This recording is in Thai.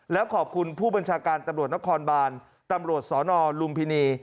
แล้วขอบคุณผู้บัญชาการตำรวจนครบานตำรวจสนลุมพินี